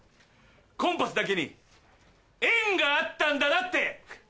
コンパスだけにエンがあったんだなって。